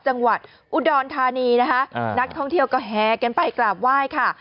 จังหวัดอุดรธานีนะคะนักท่องเที่ยวก็แหกันไปกราบไหว้ค่ะ